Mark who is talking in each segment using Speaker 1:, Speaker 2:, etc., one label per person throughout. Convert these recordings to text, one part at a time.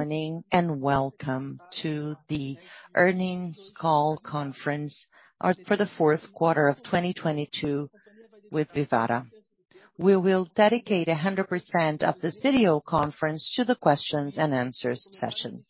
Speaker 1: Morning, welcome to the earnings call conference for the fourth quarter of 2022 with Vivara. We will dedicate 100% of this video conference to the questions and answers session.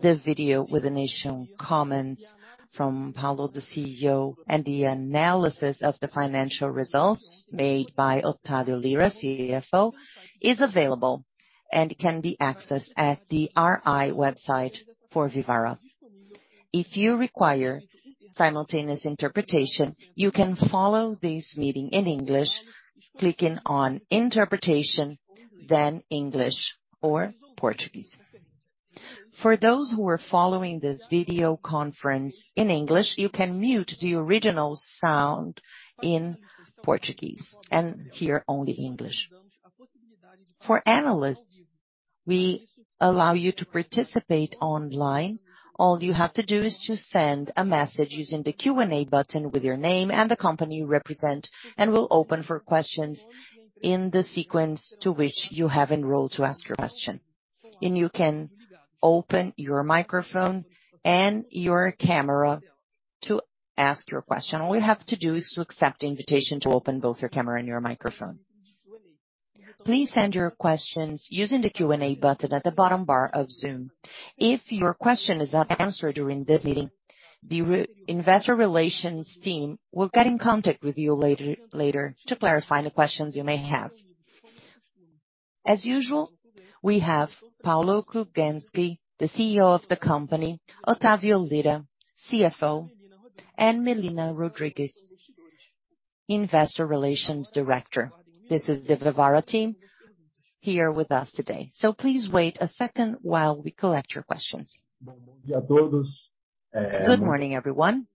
Speaker 1: The video with initial comments from Paulo, the CEO, and the analysis of the financial results made by Otavio Lyra, CFO, is available and can be accessed at the RI website for Vivara. If you require simultaneous interpretation, you can follow this meeting in English, clicking on Interpretation, then English or Portuguese. For those who are following this video conference in English, you can mute the original sound in Portuguese and hear only English. For analysts, we allow you to participate online. All you have to do is to send a message using the Q&A button with your name and the company you represent, and we'll open for questions in the sequence to which you have enrolled to ask your question. You can open your microphone and your camera to ask your question. All you have to do is to accept the invitation to open both your camera and your microphone. Please send your questions using the Q&A button at the bottom bar of Zoom. If your question is not answered during this meeting, the investor relations team will get in contact with you later to clarify the questions you may have. As usual, we have Paulo Kruglensky, the CEO of the company, Otavio Lyra, CFO, and Milena Rodrigues, Investor Relations Director. This is the Vivara team here with us today. Please wait a second while we collect your questions. Good morning, everyone.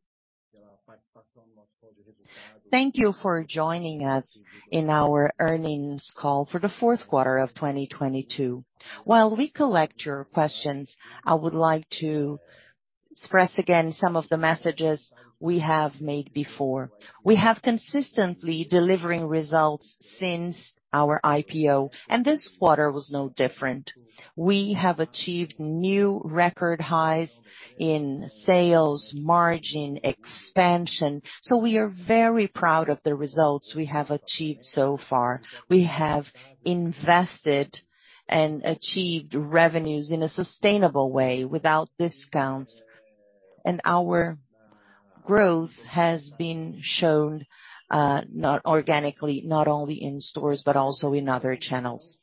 Speaker 1: Thank you for joining us in our earnings call for the fourth quarter of 2022. While we collect your questions, I would like to express again some of the messages we have made before. We have consistently delivering results since our IPO, and this quarter was no different. We have achieved new record highs in sales, margin expansion. We are very proud of the results we have achieved so far. We have invested and achieved revenues in a sustainable way without discounts. Our growth has been shown, not organically, not only in stores, but also in other channels.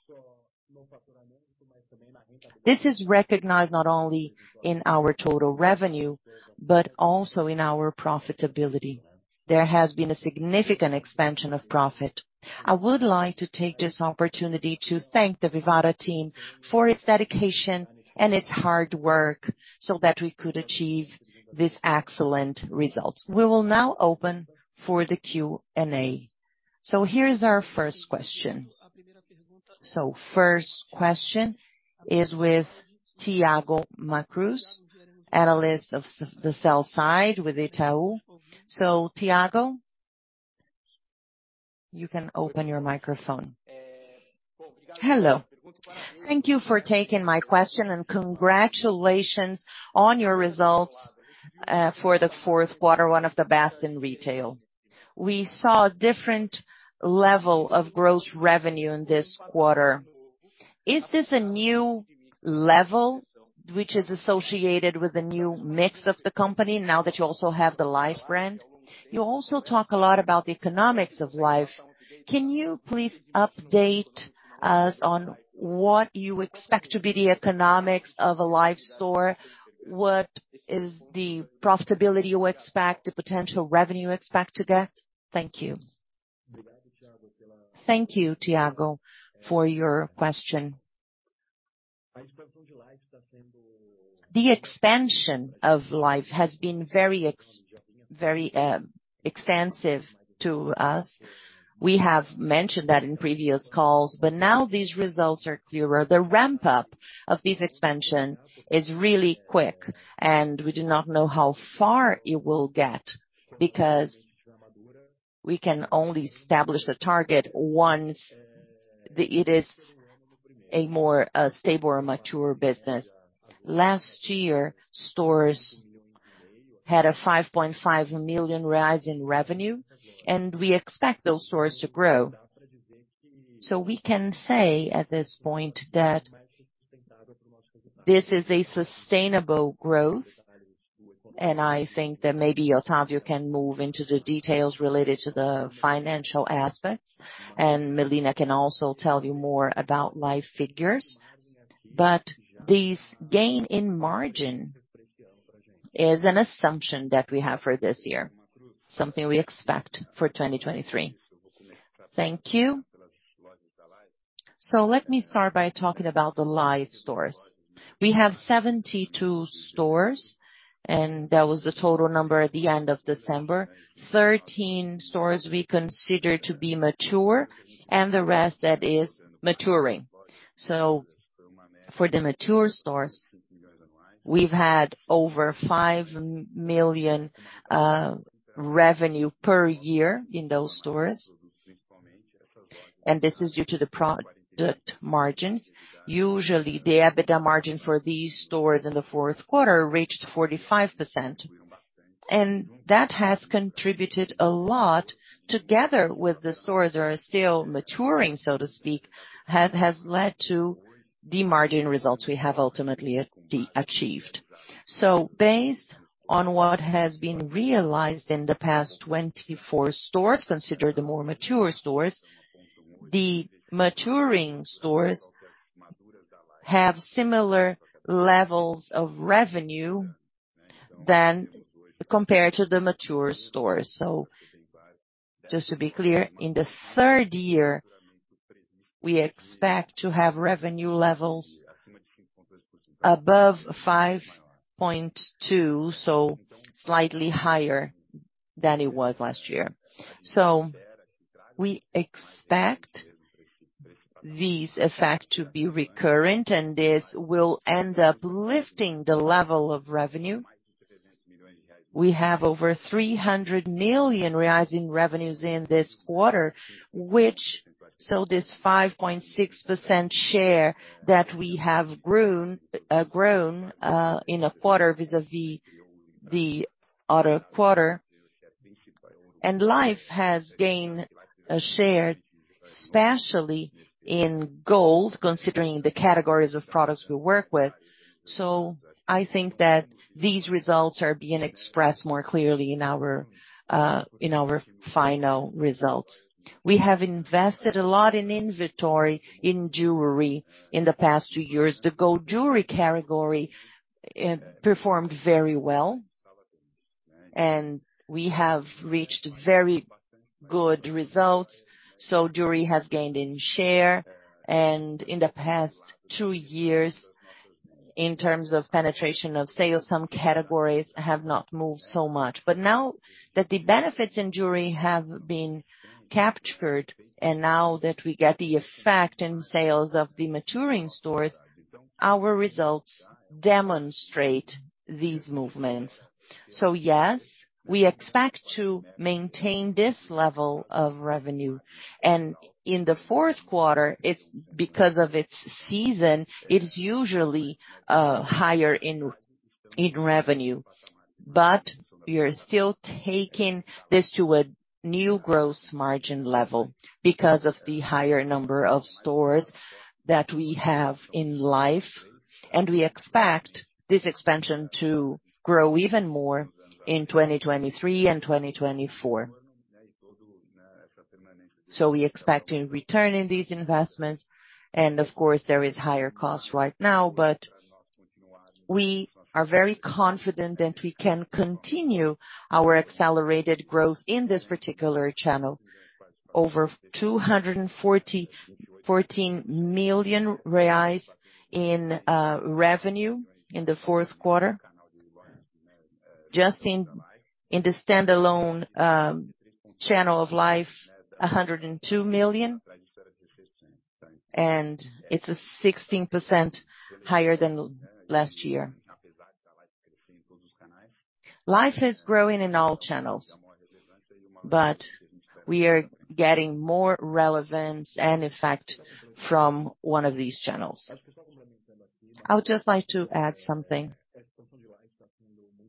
Speaker 1: This is recognized not only in our total revenue, but also in our profitability. There has been a significant expansion of profit. I would like to take this opportunity to thank the Vivara team for its dedication and its hard work so that we could achieve these excellent results. We will now open for the Q&A. Here is our first question. First question is with Thiago Macruz, analyst of the sell side with Itaú BBA. Thiago, you can open your microphone. Hello. Thank you for taking my question, and congratulations on your results, for the fourth quarter, one of the best in retail. We saw a different level of gross revenue in this quarter. Is this a new level which is associated with the new mix of the company now that you also have the Life brand? You also talk a lot about the economics of Life. Can you please update us on what you expect to be the economics of a Life store? What is the profitability you expect, the potential revenue you expect to get? Thank you. Thank you, Thiago, for your question. The expansion of Life has been very extensive to us. We have mentioned that in previous calls, but now these results are clearer. The ramp-up of this expansion is really quick, and we do not know how far it will get because we can only establish a target once it is a more stable or mature business. Last year, stores had a 5.5 million rise in revenue, and we expect those stores to grow. We can say at this point that this is a sustainable growth, and I think that maybe Otavio can move into the details related to the financial aspects, and Milena can also tell you more about Life figures. This gain in margin is an assumption that we have for this year, something we expect for 2023. Thank you. Let me start by talking about the Life stores. We have 72 stores, and that was the total number at the end of December. 13 stores we consider to be mature and the rest that is maturing. For the mature stores, we've had over 5 million revenue per year in those stores. This is due to the product margins. Usually, the EBITDA margin for these stores in the fourth quarter reached 45%. That has contributed a lot together with the stores that are still maturing, so to speak, has led to the margin results we have ultimately achieved. Based on what has been realized in the past 24 stores, consider the more mature stores, the maturing stores have similar levels of revenue than compared to the mature stores. Just to be clear, in the third year, we expect to have revenue levels above 5.2%, so slightly higher than it was last year. We expect this effect to be recurrent, and this will end up lifting the level of revenue. We have over 300 million reais rise in revenues in this quarter, this 5.6% share that we have grown in a quarter vis-à-vis the other quarter. Life has gained a share, especially in gold, considering the categories of products we work with. I think that these results are being expressed more clearly in our final results. We have invested a lot in inventory in jewelry in the past two years. The gold jewelry category, it performed very well. We have reached very good results. Jewelry has gained in share. In the past two years, in terms of penetration of sales, some categories have not moved so much. Now that the benefits in jewelry have been captured, and now that we get the effect in sales of the maturing stores, our results demonstrate these movements. Yes, we expect to maintain this level of revenue. In the fourth quarter, it's because of its season, it's usually higher in revenue. We are still taking this to a new gross margin level because of the higher number of stores that we have in Life. We expect this expansion to grow even more in 2023 and 2024. We expect a return in these investments. Of course, there is higher cost right now, but we are very confident that we can continue our accelerated growth in this particular channel. Over two hundred and forty-fourteen million BRL in revenue in the Q4. Just in the standalone channel of Life, 102 million. It's 16% higher than last year. Life is growing in all channels, but we are getting more relevance and effect from one of these channels. I would just like to add something.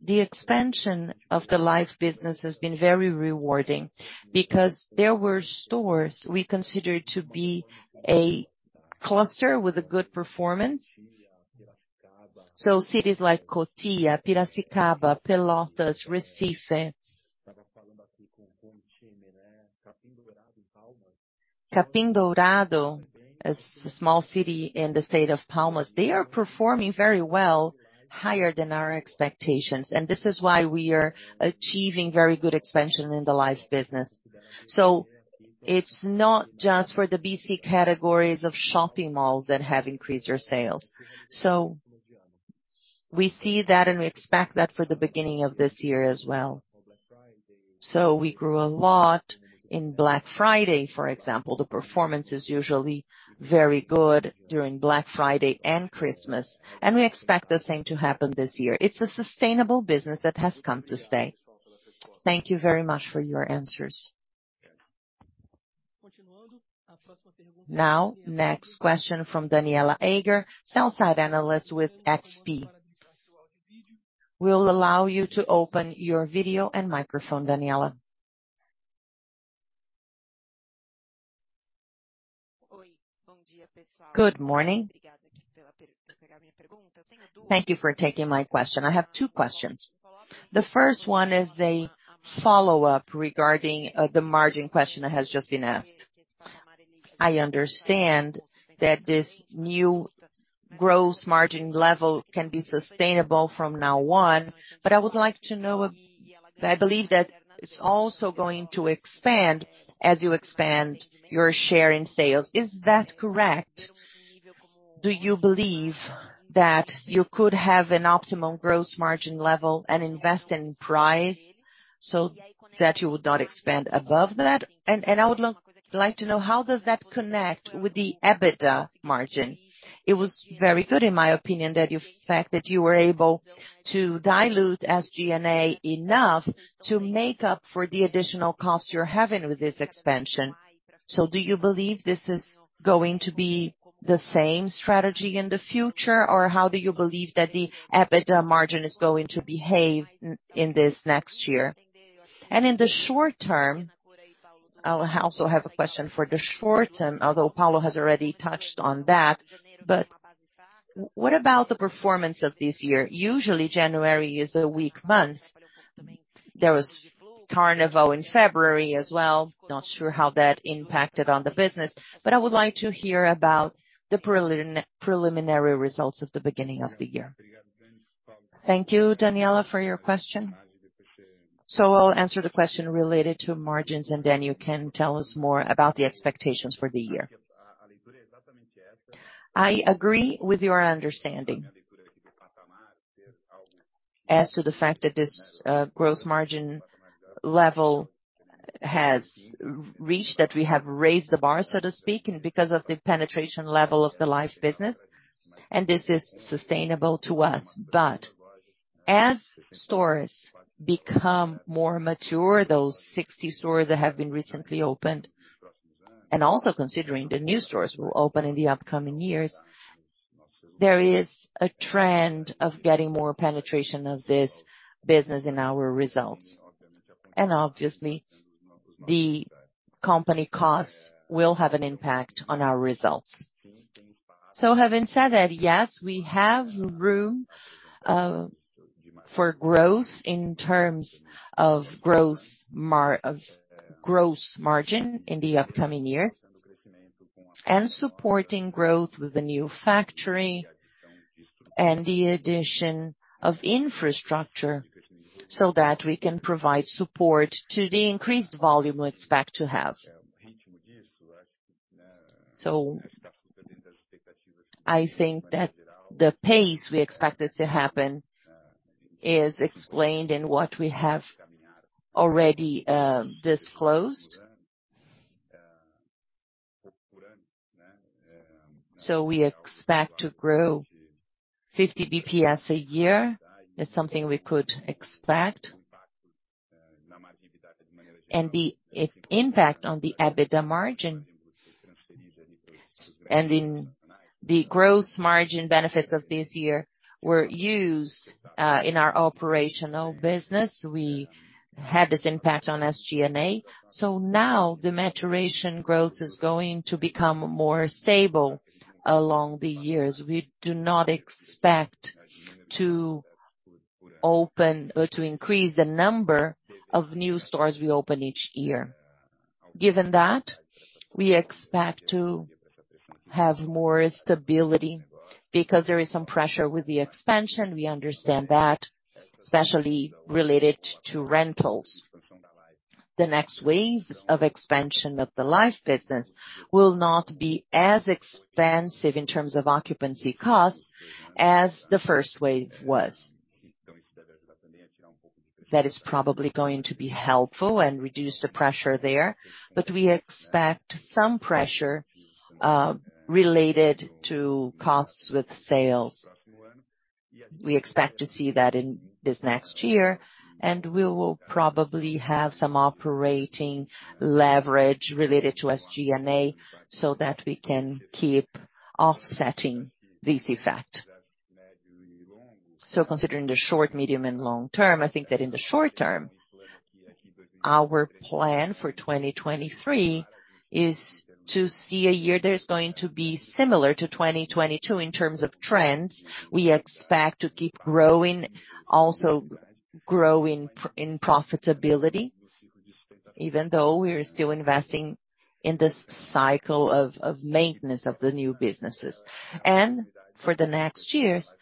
Speaker 1: The expansion of the Life business has been very rewarding because there were stores we considered to be a cluster with a good performance. Cities like Cotia, Piracicaba, Pelotas, Recife, Capim Dourado is a small city in the state of Palmas. They are performing very well, higher than our expectations. This is why we are achieving very good expansion in the Life business. It's not just for the busy categories of shopping malls that have increased their sales. We see that, and we expect that for the beginning of this year as well. We grew a lot in Black Friday, for example. The performance is usually very good during Black Friday and Christmas, and we expect the same to happen this year. It's a sustainable business that has come to stay. Thank you very much for your answers. Now, next question from Danniela Eiger, Sell-side analyst with XP. We'll allow you to open your video and microphone, Danniela. Good morning. Thank you for taking my question. I have two questions. The first one is a follow-up regarding the margin question that has just been asked. I understand that this new gross margin level can be sustainable from now on, but I would like to know I believe that it's also going to expand as you expand your share in sales. Is that correct? Do you believe that you could have an optimum gross margin level and invest in price so that you would not expand above that? I would like to know how does that connect with the EBITDA margin. It was very good, in my opinion, that fact that you were able to dilute SG&A enough to make up for the additional costs you're having with this expansion. Do you believe this is going to be the same strategy in the future? How do you believe that the EBITDA margin is going to behave in this next year? I also have a question for the short term, although Paulo has already touched on that. What about the performance of this year? Usually, January is a weak month. There was Carnival in February as well. Not sure how that impacted on the business, but I would like to hear about the preliminary results of the beginning of the year. Thank you, Daniela, for your question. I'll answer the question related to margins, and then you can tell us more about the expectations for the year. I agree with your understanding. As to the fact that this gross margin level has reached, that we have raised the bar, so to speak, and because of the penetration level of the Life business, and this is sustainable to us. As stores become more mature, those 60 stores that have been recently opened, and also considering the new stores will open in the upcoming years, there is a trend of getting more penetration of this business in our results. Obviously, the company costs will have an impact on our results. Having said that, yes, we have room for growth in terms of gross margin in the upcoming years, and supporting growth with the new factory and the addition of infrastructure so that we can provide support to the increased volume we expect to have. I think that the pace we expect this to happen is explained in what we have already disclosed. We expect to grow 50 BPS a year, is something we could expect. The impact on the EBITDA margin, and in the gross margin benefits of this year were used in our operational business. We had this impact on SG&A. Now the maturation growth is going to become more stable along the years. We do not expect to increase the number of new stores we open each year. Given that, we expect to have more stability because there is some pressure with the expansion, we understand that, especially related to rentals. The next waves of expansion of the Life business will not be as expensive in terms of occupancy costs as the first wave was. That is probably going to be helpful and reduce the pressure there, but we expect some pressure related to costs with sales. We expect to see that in this next year. We will probably have some operating leverage related to SG&A so that we can keep offsetting this effect. Considering the short, medium, and long term, I think that in the short term, our plan for 2023 is to see a year that is going to be similar to 2022 in terms of trends. We expect to keep growing, also growing in profitability, even though we are still investing in this cycle of maintenance of the new businesses. For the next years,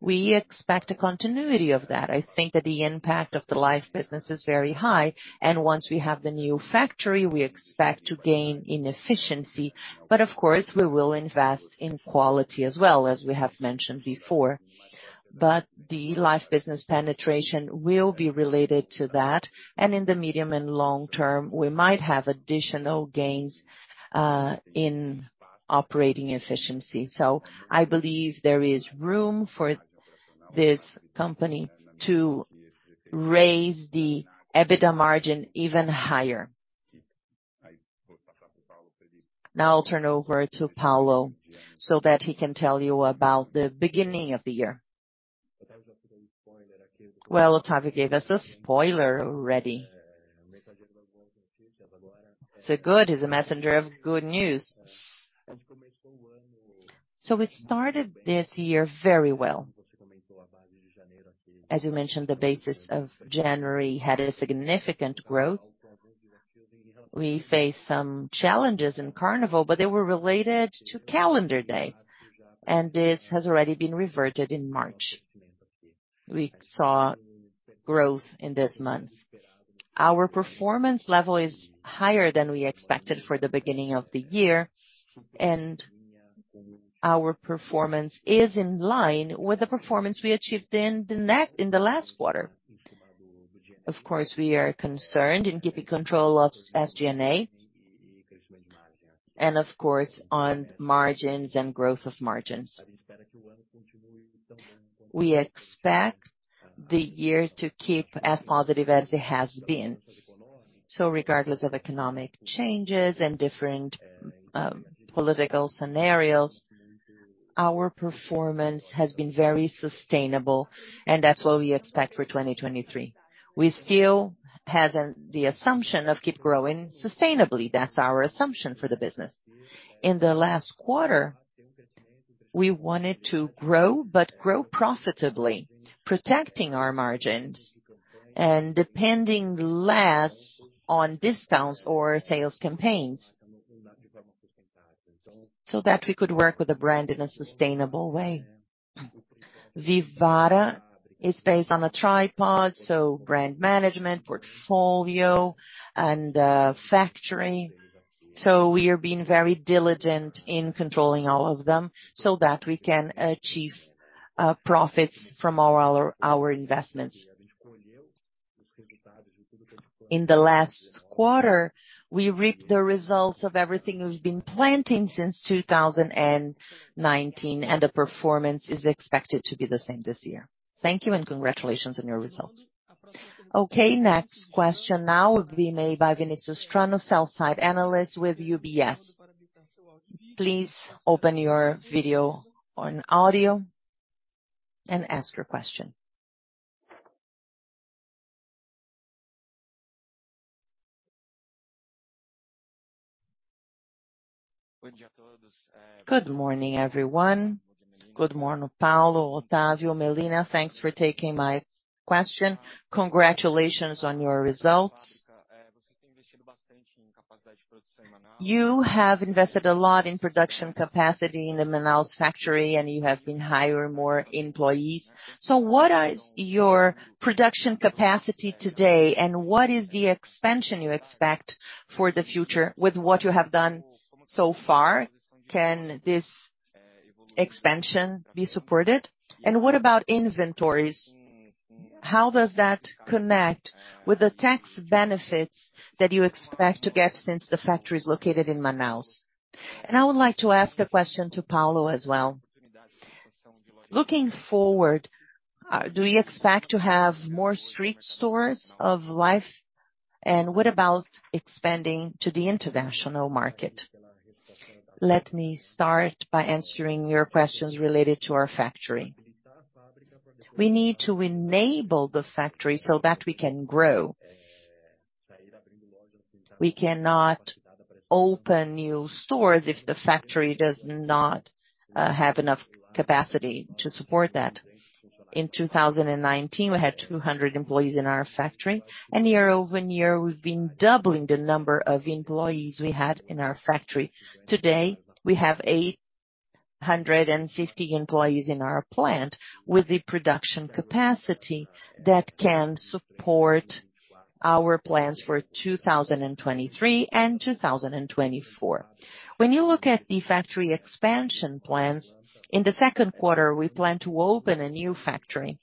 Speaker 1: we expect a continuity of that. I think that the impact of the Life business is very high. Once we have the new factory, we expect to gain in efficiency. Of course, we will invest in quality as well, as we have mentioned before. The Life business penetration will be related to that. In the medium and long term, we might have additional gains in operating efficiency. I believe there is room for this company to raise the EBITDA margin even higher. I'll turn over to Paulo so that he can tell you about the beginning of the year. Otavio gave us a spoiler already. Good, he's a messenger of good news. We started this year very well. As you mentioned, the basis of January had a significant growth. We faced some challenges in Carnival, but they were related to calendar days, and this has already been reverted in March. We saw growth in this month. Our performance level is higher than we expected for the beginning of the year. Our performance is in line with the performance we achieved in the last quarter. Of course, we are concerned in keeping control of SG&A and of course on margins and growth of margins. We expect the year to keep as positive as it has been. Regardless of economic changes and different political scenarios, our performance has been very sustainable, and that's what we expect for 2023. We still have the assumption of keep growing sustainably. That's our assumption for the business. In the last quarter, we wanted to grow, but grow profitably, protecting our margins and depending less on discounts or sales campaigns. That we could work with the brand in a sustainable way. Vivara is based on a tripod, so brand management, portfolio, and factory. We are being very diligent in controlling all of them so that we can achieve profits from our, our investments. In the last quarter, we reaped the results of everything we've been planting since 2019, and the performance is expected to be the same this year. Thank you and congratulations on your results. Okay, next question now will be made by Vinícius Strano, sell-side analyst with UBS. Please open your video and audio and ask your question. Good morning, everyone. Good morning, Paulo, Otavio, Milena. Thanks for taking my question. Congratulations on your results. You have invested a lot in production capacity in the Manaus factory, and you have been hiring more employees. What is your production capacity today, and what is the expansion you expect for the future with what you have done so far? Can this expansion be supported? What about inventories? How does that connect with the tax benefits that you expect to get since the factory is located in Manaus? I would like to ask a question to Paulo as well. Looking forward, do you expect to have more street stores of Life? What about expanding to the international market? Let me start by answering your questions related to our factory. We need to enable the factory so that we can grow. We cannot open new stores if the factory does not have enough capacity to support that. In 2019, we had 200 employees in our factory. Year-over-year, we've been doubling the number of employees we had in our factory. Today, we have 850 employees in our plant with the production capacity that can support our plans for 2023 and 2024. When you look at the factory expansion plans, in the second quarter, we plan to open a new factory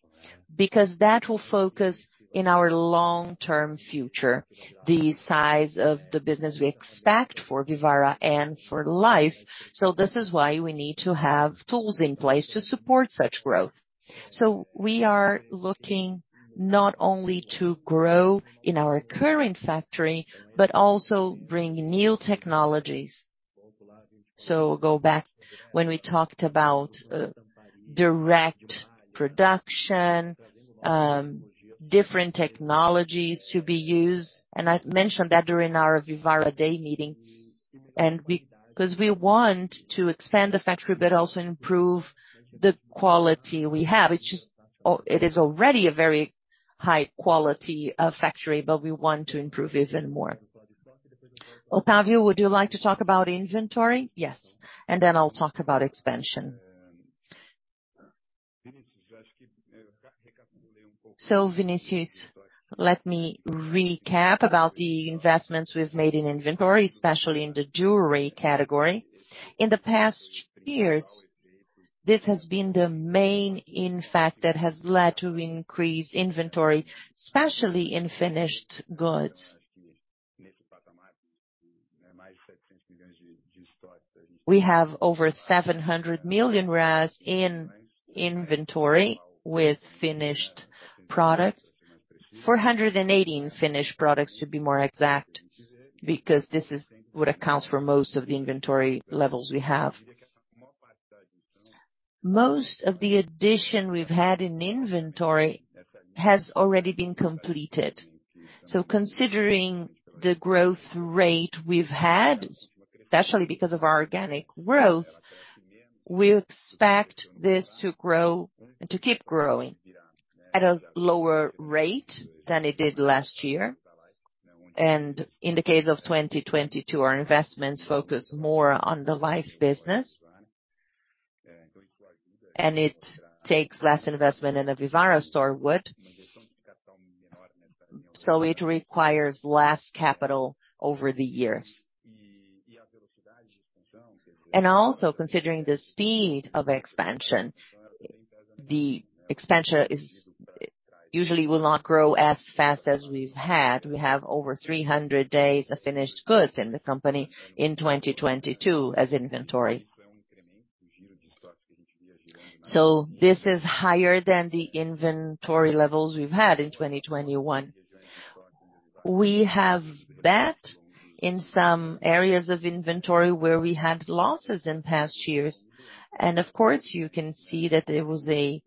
Speaker 1: because that will focus in our long-term future, the size of the business we expect for Vivara and for Life. This is why we need to have tools in place to support such growth. We are looking not only to grow in our current factory, but also bring new technologies. Go back when we talked about direct production, different technologies to be used. I've mentioned that during our Vivara Day meeting, we want to expand the factory but also improve the quality we have, which is already a very high quality factory, but we want to improve even more. Otavio, would you like to talk about inventory? Yes. Then I'll talk about expansion. Vinicius, let me recap about the investments we've made in inventory, especially in the jewelry category. In the past years, this has been the main, in fact, that has led to increased inventory, especially in finished goods. We have over 700 million in inventory with finished products. 480 million in finished products to be more exact, because this is what accounts for most of the inventory levels we have. Most of the addition we've had in inventory has already been completed. Considering the growth rate we've had, especially because of our organic growth, we expect this to keep growing at a lower rate than it did last year. In the case of 2022, our investments focus more on the Life business. It takes less investment than a Vivara store would. It requires less capital over the years. Also considering the speed of expansion, the expansion is usually will not grow as fast as we've had. We have over 300 days of finished goods in the company in 2022 as inventory. This is higher than the inventory levels we've had in 2021. We have bet in some areas of inventory where we had losses in past years. Of course, you can see that there was a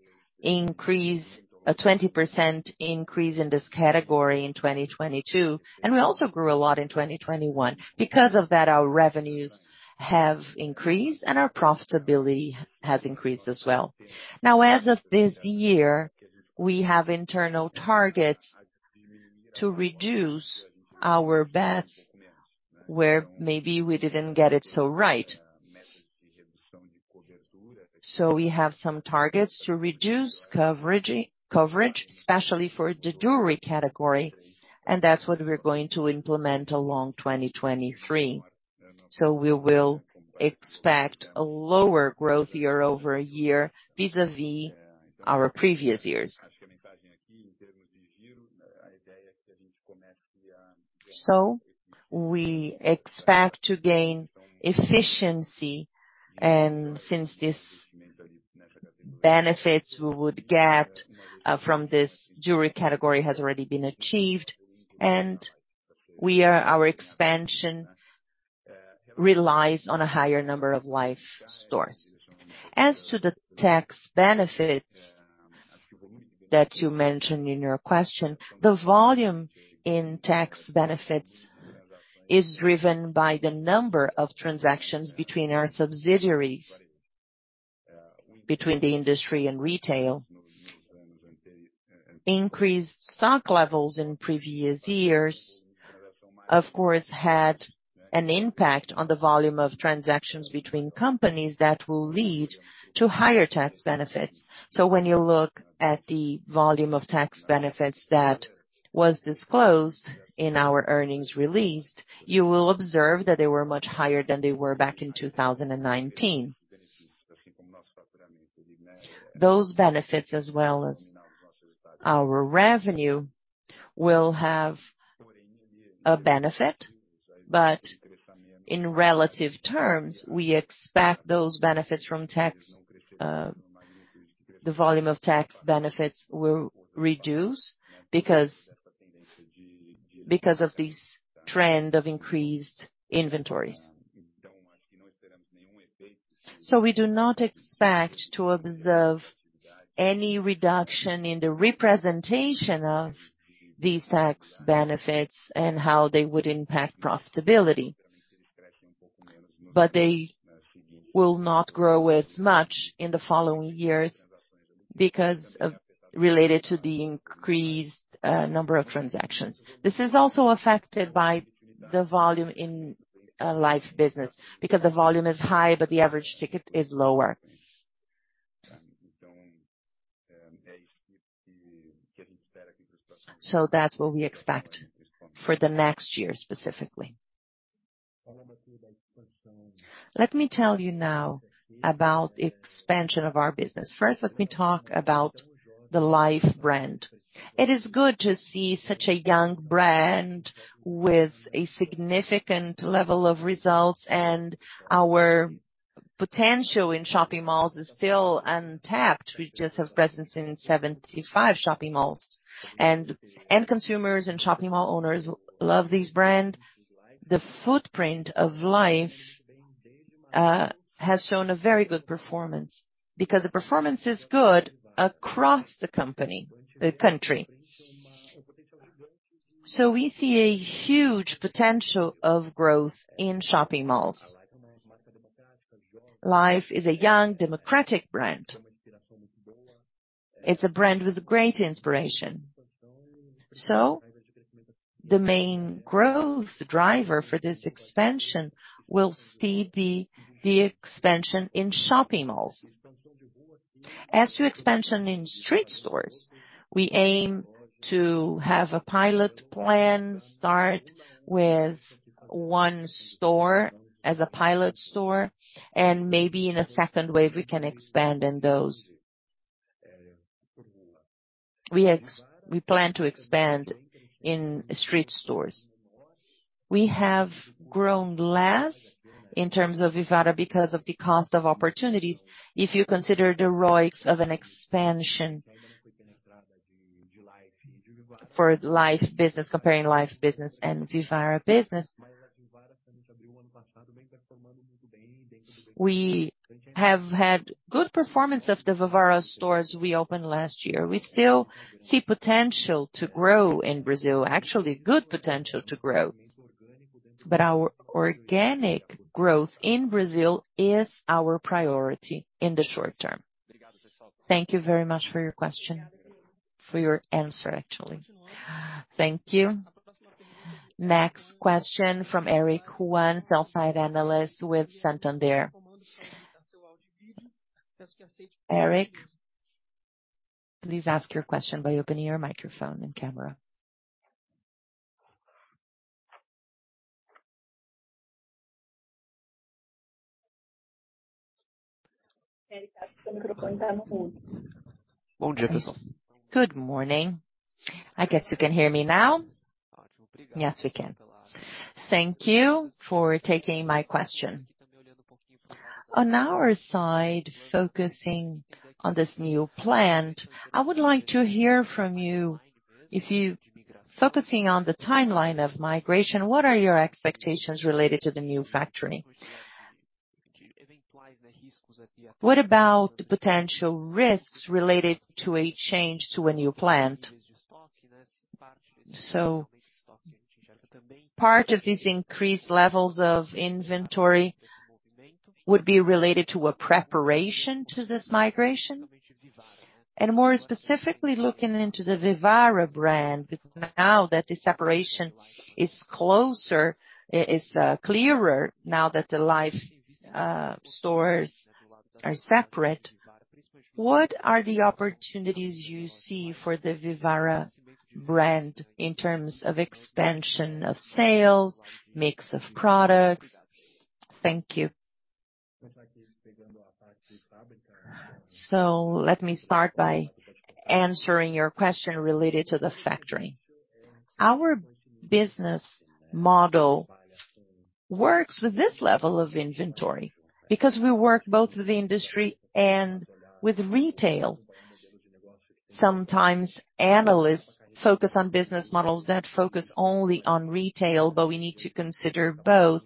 Speaker 1: 20% increase in this category in 2022, and we also grew a lot in 2021. Because of that, our revenues have increased and our profitability has increased as well. As of this year, we have internal targets to reduce our bets where maybe we didn't get it so right. We have some targets to reduce Coverage, especially for the jewelry category, and that's what we're going to implement along 2023. We will expect a lower growth year-over-year vis-à-vis our previous years. We expect to gain efficiency, and since these benefits we would get from this jewelry category has already been achieved, Our expansion relies on a higher number of Life stores. As to the tax benefits that you mentioned in your question, the volume in tax benefits is driven by the number of transactions between our subsidiaries, between the industry and retail. Increased stock levels in previous years, of course, had an impact on the volume of transactions between companies that will lead to higher tax benefits. When you look at the volume of tax benefits that was disclosed in our earnings released, you will observe that they were much higher than they were back in 2019. Those benefits, as well as our revenue, will have a benefit. In relative terms, we expect those benefits from tax, the volume of tax benefits will reduce because of this trend of increased inventories. We do not expect to observe any reduction in the representation of these tax benefits and how they would impact profitability. They will not grow as much in the following years related to the increased number of transactions. This is also affected by the volume in a Life business because the volume is high, but the average ticket is lower. That's what we expect for the next year, specifically. Let me tell you now about expansion of our business. First, let me talk about the Life brand. It is good to see such a young brand with a significant level of results, and our potential in shopping malls is still untapped. We just have presence in 75 shopping malls. End consumers and shopping mall owners love this brand. The footprint of Life has shown a very good performance because the performance is good across the country. We see a huge potential of growth in shopping malls. Life by Vivara is a young democratic brand. It's a brand with great inspiration. The main growth driver for this expansion will still be the expansion in shopping malls. As to expansion in street stores, we aim to have a pilot plan start with one store as a pilot store, and maybe in a second wave we can expand in those. We plan to expand in street stores. We have grown less in terms of Vivara because of the cost of opportunities, if you consider the ROIs of an expansion for Life by Vivara business, comparing Life by Vivara business and Vivara business. We have had good performance of the Vivara stores we opened last year. We still see potential to grow in Brazil, actually good potential to grow. Our organic growth in Brazil is our priority in the short term. Thank you very much for your question. For your answer, actually. Thank you. Next question from Eric Huang, sell-side analyst with Santander. Eric, please ask your question by opening your microphone and camera. Good morning. I guess you can hear me now. Yes, we can. Thank you for taking my question. On our side, focusing on this new plant, I would like to hear from you, focusing on the timeline of migration, what are your expectations related to the new factory? What about the potential risks related to a change to a new plant? Part of these increased levels of inventory would be related to a preparation to this migration. More specifically, looking into the Vivara brand, because now that the separation is closer, it's clearer now that the Life stores are separate, what are the opportunities you see for the Vivara brand in terms of expansion of sales, mix of products? Thank you. Let me start by answering your question related to the factory. Our business model works with this level of inventory because we work both with industry and with retail. Sometimes analysts focus on business models that focus only on retail, but we need to consider both.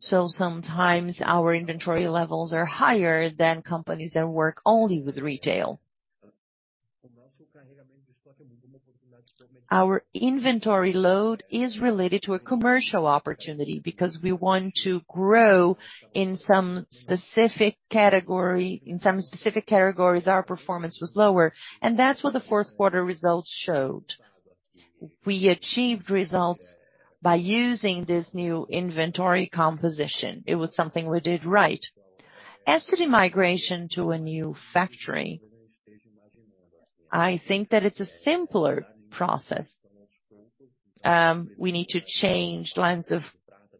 Speaker 1: Sometimes our inventory levels are higher than companies that work only with retail. Our inventory load is related to a commercial opportunity because we want to grow. In some specific categories, our performance was lower, and that's what the fourth quarter results showed. We achieved results by using this new inventory composition. It was something we did right. As to the migration to a new factory, I think that it's a simpler process. We need to change lines of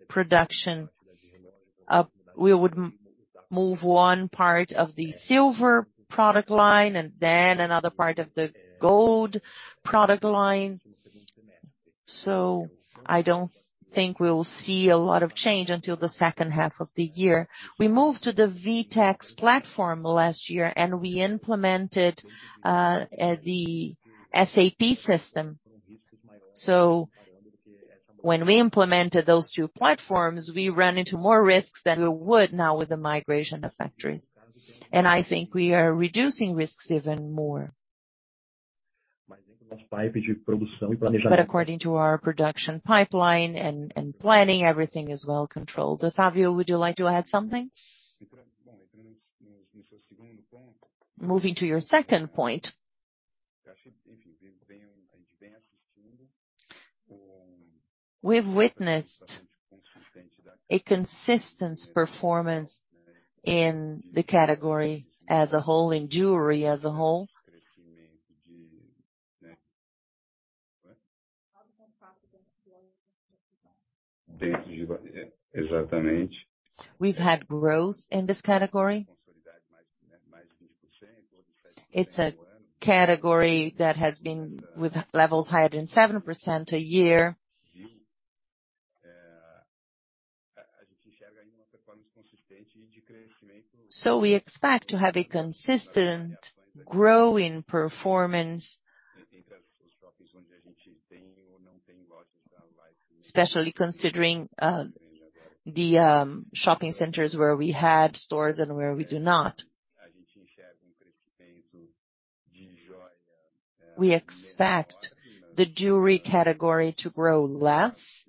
Speaker 1: production. We would move one part of the silver product line and then another part of the gold product line. I don't think we will see a lot of change until the second half of the year. We moved to the VTEX platform last year, we implemented the SAP system. When we implemented those two platforms, we ran into more risks than we would now with the migration of factories. I think we are reducing risks even more. According to our production pipeline and planning, everything is well controlled. Otavio, would you like to add something? Moving to your second point. We've witnessed a consistent performance in the category as a whole, in jewelry as a whole. We've had growth in this category. It's a category that has been with levels higher than 7% a year. We expect to have a consistent growing performance. Especially considering the shopping centers where we had stores and where we do not. We expect the jewelry category to grow less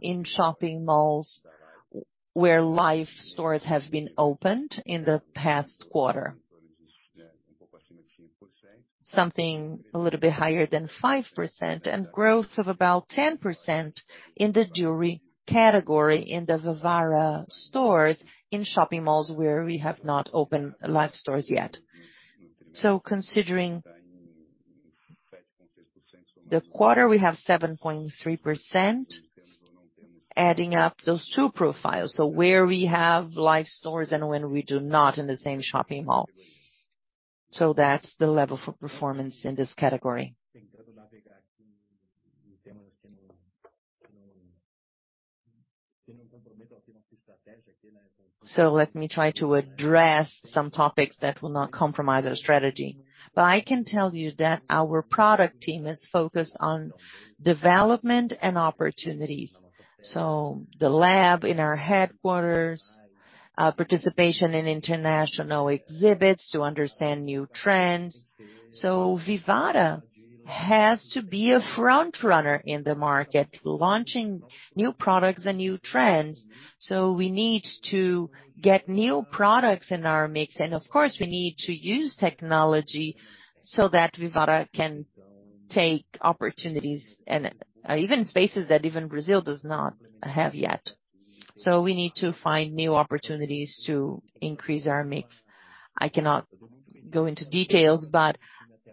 Speaker 1: in shopping malls where Life stores have been opened in the past quarter. Something a little bit higher than 5% and growth of about 10% in the jewelry category in the Vivara stores in shopping malls where we have not opened Life stores yet. Considering the quarter, we have 7.3% adding up those two profiles. Where we have Life stores and when we do not in the same shopping mall. That's the level for performance in this category. Let me try to address some topics that will not compromise our strategy. I can tell you that our product team is focused on development and opportunities. The lab in our headquarters, participation in international exhibits to understand new trends. Vivara has to be a front runner in the market, launching new products and new trends. We need to get new products in our mix. Of course, we need to use technology so that Vivara can take opportunities and even spaces that even Brazil does not have yet. We need to find new opportunities to increase our mix. I cannot go into details, but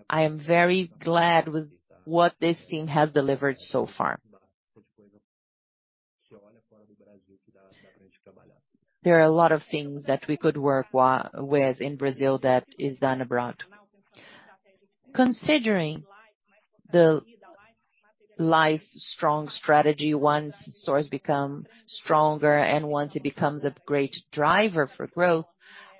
Speaker 1: I am very glad with what this team has delivered so far. There are a lot of things that we could work with in Brazil that is done abroad. Considering the Life strong strategy, once stores become stronger and once it becomes a great driver for growth,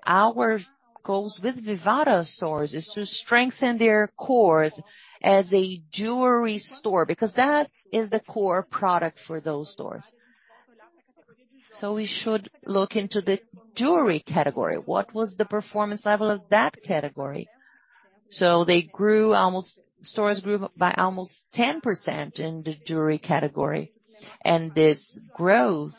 Speaker 1: our goals with Vivara stores is to strengthen their cores as a jewelry store, because that is the core product for those stores. We should look into the jewelry category. What was the performance level of that category? Stores grew by almost 10% in the jewelry category, this growth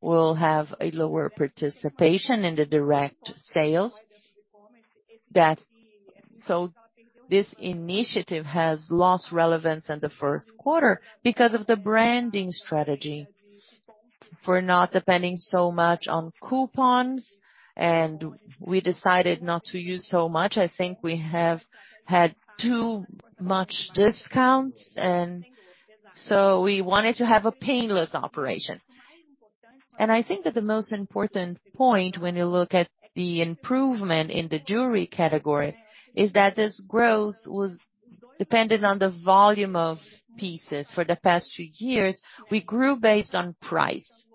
Speaker 1: will have a lower participation in the direct sales. This initiative has lost relevance in the first quarter because of the branding strategy for not depending so much on coupons, and we decided not to use so much. I think we have had too much discounts, and so we wanted to have a painless operation. I think that the most important point when you look at the improvement in the jewelry category is that this growth was dependent on the volume of pieces. For the past two years, we grew based on price,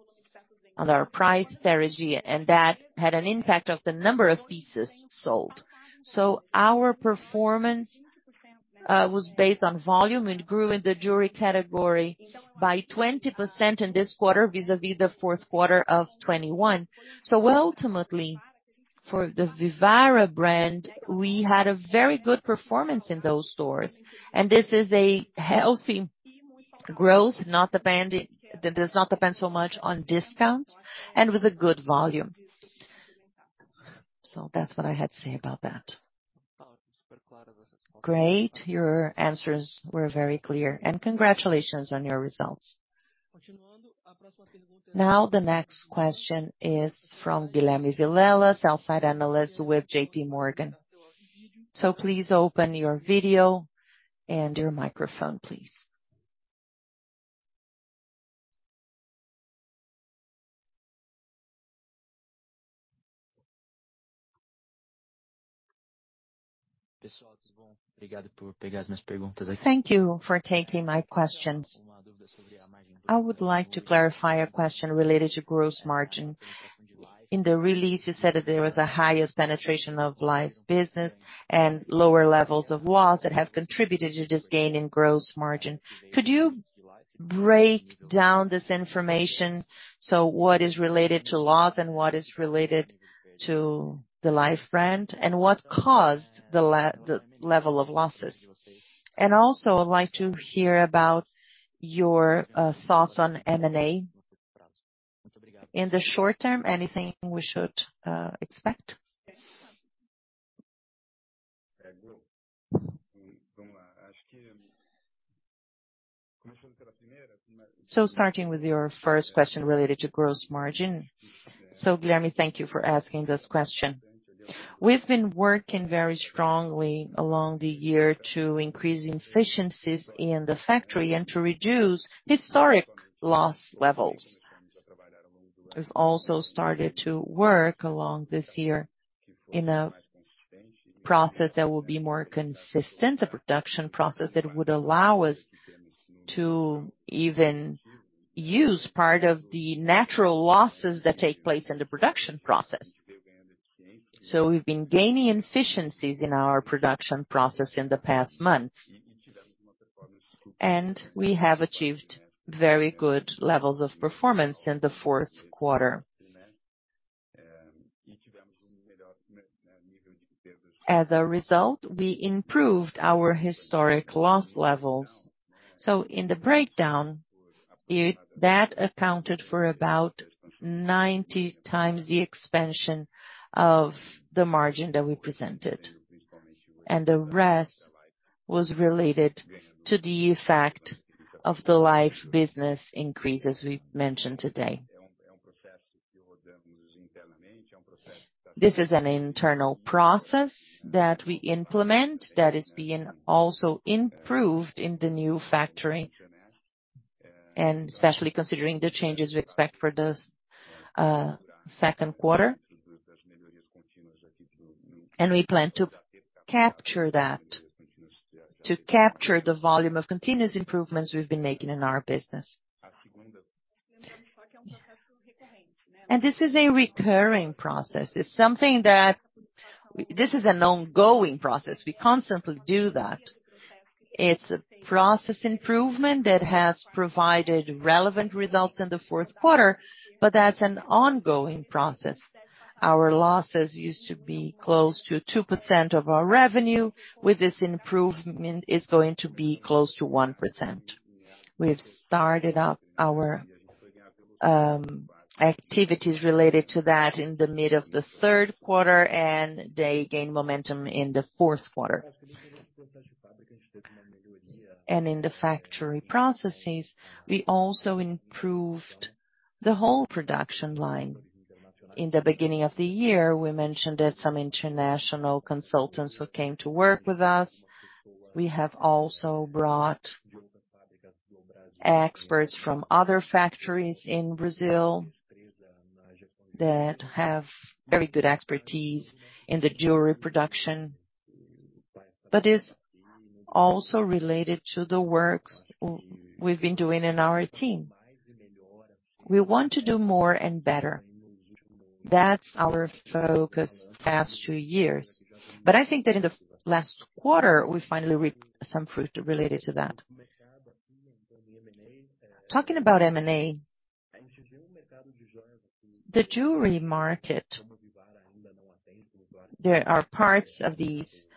Speaker 1: on our price strategy, and that had an impact of the number of pieces sold. Our performance was based on volume. It grew in the jewelry category by 20% in this quarter vis-à-vis the fourth quarter of 2021. Ultimately, for the Vivara brand, we had a very good performance in those stores. This is a healthy growth, that does not depend so much on discounts and with a good volume. That's what I had to say about that. Great. Your answers were very clear, and congratulations on your results. The next question is from Guilherme Vilela, sell-side analyst with JPMorgan. Please open your video and your microphone, please. Thank you for taking my questions. I would like to clarify a question related to gross margin. In the release, you said that there was the highest penetration of Life business and lower levels of loss that have contributed to this gain in gross margin. Could you break down this information, so what is related to loss and what is related to the Life brand, and what caused the level of losses? Also, I'd like to hear about your thoughts on M&A. In the short term, anything we should expect? Starting with your first question related to gross margin. Guilherme, thank you for asking this question. We've been working very strongly along the year to increase efficiencies in the factory and to reduce historic loss levels. We've also started to work along this year in a process that will be more consistent, a production process that would allow us to even use part of the natural losses that take place in the production process. We've been gaining efficiencies in our production process in the past month. We have achieved very good levels of performance in the fourth quarter. As a result, we improved our historic loss levels. In the breakdown, it accounted for about 90 times the expansion of the margin that we presented, and the rest was related to the effect of the Life business increase as we mentioned today. This is an internal process that we implement that is being also improved in the new factory, and especially considering the changes we expect for the second quarter. We plan to capture that, to capture the volume of continuous improvements we've been making in our business. This is a recurring process. This is an ongoing process. We constantly do that. It's a process improvement that has provided relevant results in the fourth quarter, but that's an ongoing process. Our losses used to be close to 2% of our revenue. With this improvement, it's going to be close to 1%. We've started up our activities related to that in the mid of the third quarter. They gained momentum in the fourth quarter. In the factory processes, we also improved the whole production line. In the beginning of the year, we mentioned that some international consultants who came to work with us, we have also brought experts from other factories in Brazil that have very good expertise in the jewelry production. Is also related to the works we've been doing in our team. We want to do more and better. That's our focus the past two years. I think that in the last quarter, we finally reaped some fruit related to that. Talking about M&A, the jewelry market, there are parts of these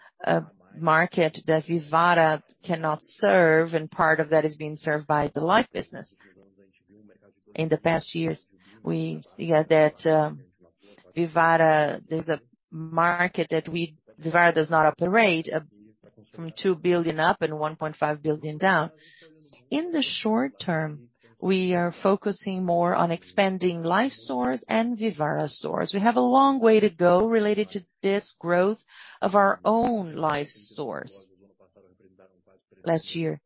Speaker 1: market that Vivara cannot serve, and part of that is being served by the Life business. In the past years, we've see that Vivara, there's a market that Vivara does not operate from 2 billion up and 1.5 billion down. In the short term, we are focusing more on expanding Life stores and Vivara stores. We have a long way to go related to this growth of our own Life stores. Last year,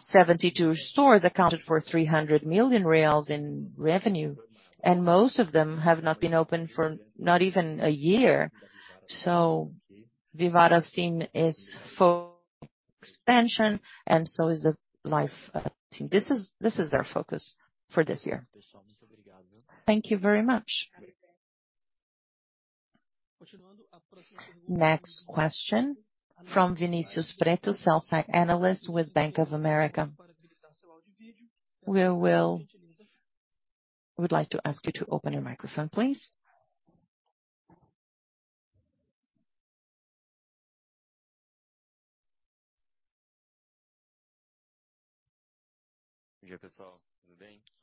Speaker 1: 72 stores accounted for 300 million reais in revenue, and most of them have not been open for not even a year. Vivara's team is full expansion, and so is the Life team. This is our focus for this year. Thank you very much. Next question from Vinicius Pretto, sell-side analyst with Bank of America. We'd like to ask you to open your microphone, please.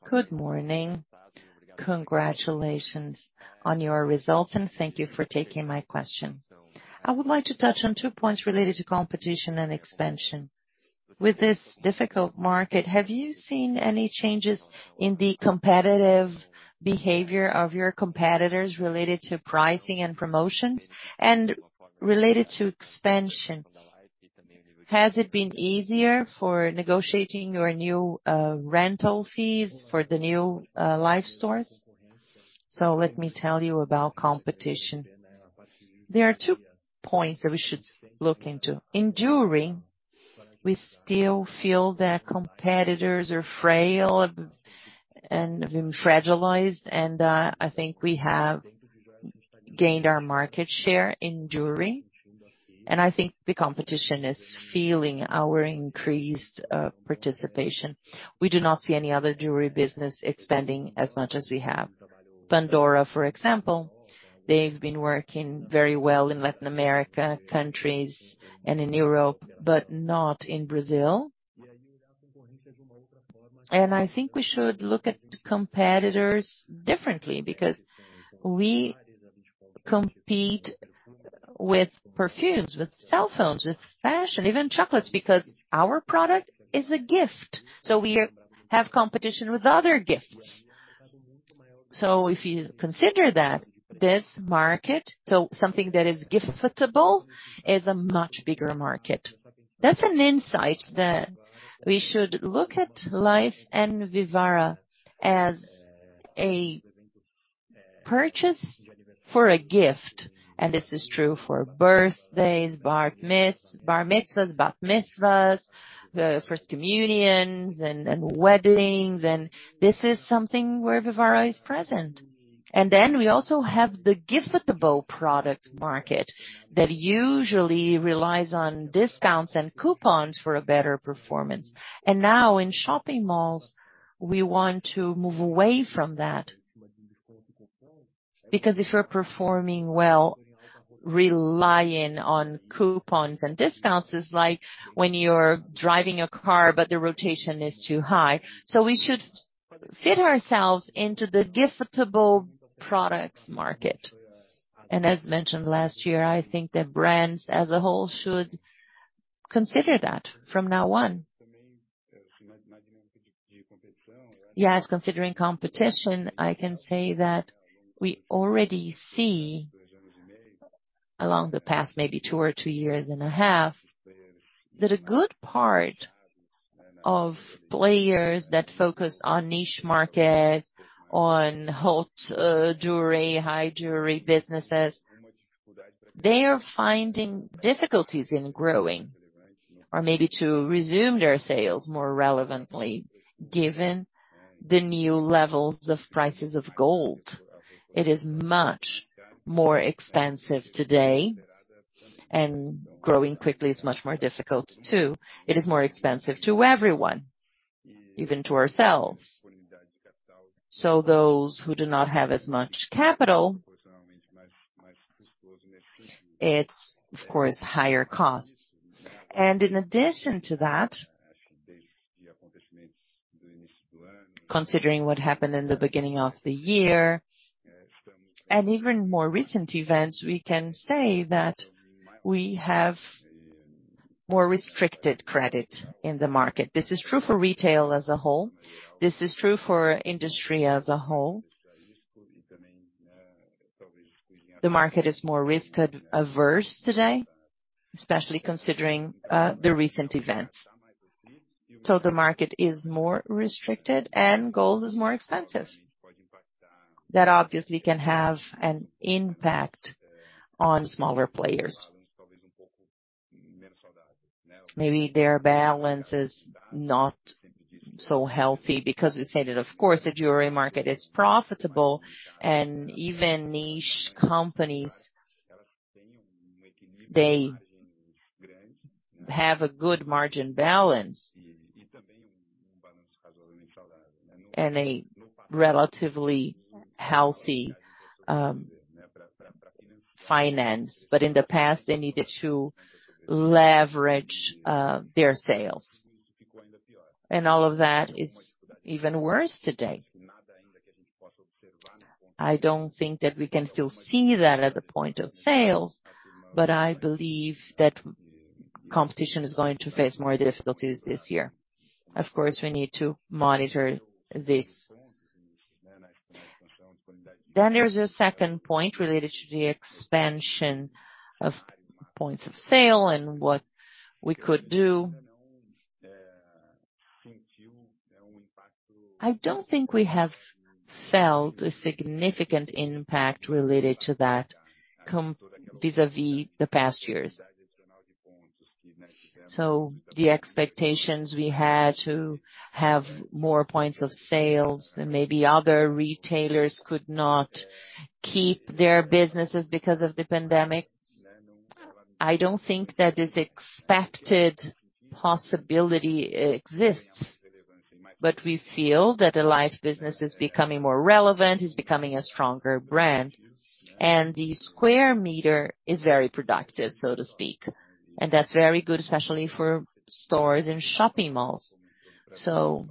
Speaker 1: Good morning. Congratulations on your results, and thank you for taking my question. I would like to touch on two points related to competition and expansion. With this difficult market, have you seen any changes in the competitive behavior of your competitors related to pricing and promotions? Related to expansion, has it been easier for negotiating your new rental fees for the new Life stores? Let me tell you about competition. There are two points that we should look into. In jewelry, we still feel that competitors are frail and have been fragilized. I think we have gained our market share in jewelry, and I think the competition is feeling our increased participation. We do not see any other jewelry business expanding as much as we have. Pandora, for example, they've been working very well in Latin America countries and in Europe, but not in Brazil. I think we should look at competitors differently because we compete with perfumes, with cell phones, with fashion, even chocolates, because our product is a gift. We have competition with other gifts. If you consider that, this market, something that is giftable, is a much bigger market. That's an insight that we should look at Life and Vivara as a purchase for a gift. This is true for birthdays, bar mitzvahs, bat mitzvahs, first communions and weddings. This is something where Vivara is present. We also have the giftable product market that usually relies on discounts and coupons for a better performance. Now in shopping malls, we want to move away from that, because if we're performing well, relying on coupons and discounts is like when you're driving a car, but the rotation is too high. We should fit ourselves into the giftable products market. As mentioned last year, I think that brands as a whole should consider that from now on. Yes, considering competition, I can say that we already see along the past maybe two or two years and a half, that a good part of players that focus on niche markets, on haute jewelry, high jewelry businesses, they are finding difficulties in growing or maybe to resume their sales more relevantly, given the new levels of prices of gold. It is much more expensive today, and growing quickly is much more difficult too. It is more expensive to everyone, even to ourselves. Those who do not have as much capital, it's of course, higher costs. In addition to that, considering what happened in the beginning of the year and even more recent events, we can say that we have more restricted credit in the market. This is true for retail as a whole, this is true for industry as a whole. The market is more risk averse today, especially considering the recent events. The market is more restricted and gold is more expensive. That obviously can have an impact on smaller players. Maybe their balance is not so healthy because we said that of course, the jewelry market is profitable and even niche companies, they have a good margin balance and a relatively healthy finance. In the past, they needed to leverage their sales. All of that is even worse today. I don't think that we can still see that at the point of sales, but I believe that competition is going to face more difficulties this year. Of course, we need to monitor this. There's a second point related to the expansion of points of sale and what we could do. I don't think we have felt a significant impact related to that vis-à-vis the past years. The expectations we had to have more points of sales and maybe other retailers could not keep their businesses because of the pandemic, I don't think that this expected possibility exists. We feel that the Life business is becoming more relevant, is becoming a stronger brand, and the square meter is very productive, so to speak. That's very good, especially for stores and shopping malls. The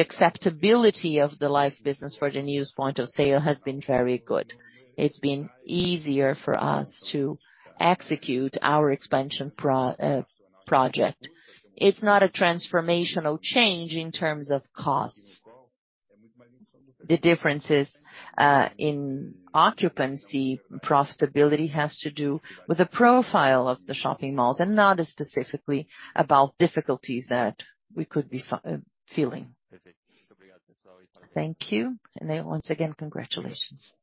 Speaker 1: acceptability of the Life business for the newest point of sale has been very good. It's been easier for us to execute our expansion project. It's not a transformational change in terms of costs. The differences in occupancy profitability has to do with the profile of the shopping malls and not specifically about difficulties that we could be feeling. Thank you. Once again, congratulations.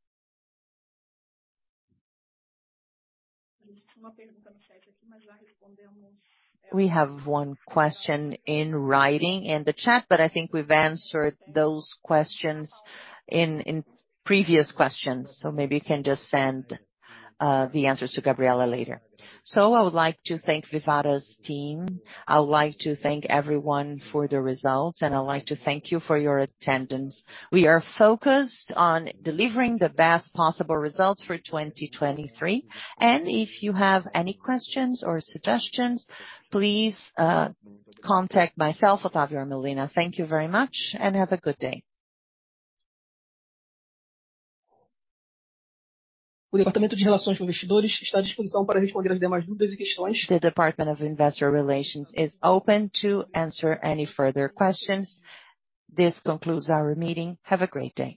Speaker 1: We have one question in writing in the chat, but I think we've answered those questions in previous questions. Maybe you can just send the answers to Gabriela later. I would like to thank Vivara's team. I would like to thank everyone for the results, and I'd like to thank you for your attendance. We are focused on delivering the best possible results for 2023. If you have any questions or suggestions, please contact myself, Otavio or Milena. Thank you very much and have a good day. The Department of Investor Relations is open to answer any further questions. This concludes our meeting. Have a great day.